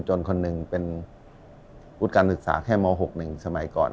จนคนนึงเป็นบุจการศึกษาแค่ม๖หนึ่งสมัยก่อน